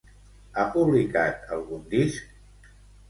Ha publicat algun disc?